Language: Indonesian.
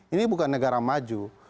ini bukan negara maju